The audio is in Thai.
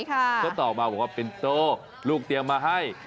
ก็ตอบมาว่าปินโต่ลูกเตียงมาให้